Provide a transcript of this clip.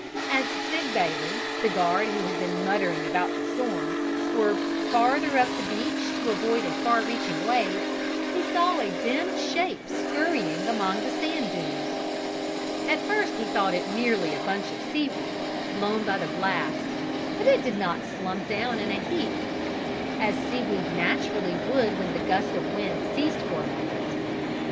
As Sig Bailey, the guard who had been muttering about the storm, swerved farther up the beach to avoid a far reaching wave, he saw a dim shape scurrying among the sand dunes. At first he thought it merely a bunch of seaweed, blown by the blast, but it did not slump down in a heap as seaweed naturally would when the gust of wind ceased for a moment.